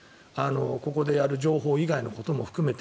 ここでやる情報以外のことも含めて。